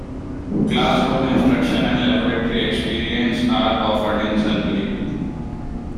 Classroom instruction and laboratory experience are offered in Sunbury.